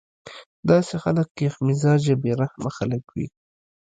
داسې خلک يخ مزاجه بې رحمه خلک وي